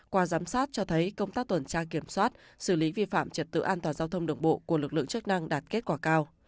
qua giám sát cho thấy công tác tuần tra kiểm soát xử lý vi phạm trật tự an toàn giao thông đường bộ của lực lượng chức năng đạt kết quả cao